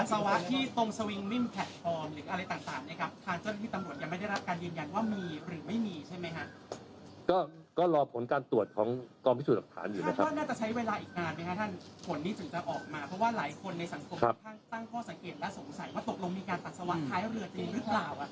ตั้งข้อสังเกตและสงสัยว่าตกลงมีการปัสสาวะท้ายเรือจริงหรือเปล่า